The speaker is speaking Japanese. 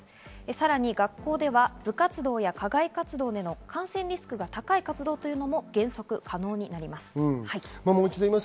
さらに学校では部活動や課外活動などへの感染リスクが高い活動というのも原則可能になります。